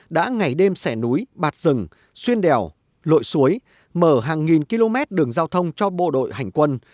đã ngày đêm xẻ núi bạt rừng xuyên đèo lội suối mở hàng nghìn km đường giao thông cho bộ đội hành quân